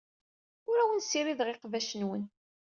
Ur awen-ssirideɣ iqbac-nwen.